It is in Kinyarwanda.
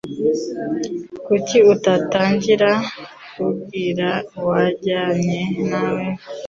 Kuki utatangira utubwira uwajyanye nawe?